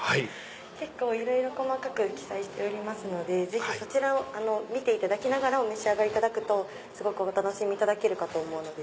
結構いろいろ細かく記載しておりますのでぜひそちらを見ていただきながらお召し上がりいただくとすごくお楽しみいただけるかと思うので。